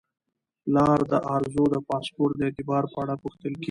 پلار د ارزو د پاسپورت د اعتبار په اړه پوښتل کیږي.